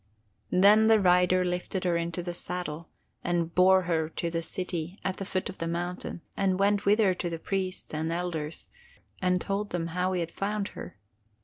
"Then the rider lifted her into the saddle and bore her to the city at the foot of the mountain and went with her to the priests and elders, and told them how he had found her.